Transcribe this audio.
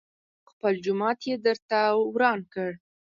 خپل جومات يې درته وران کړ.